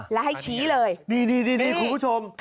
แล้วให้ชี้เลยนี่คุณผู้ชม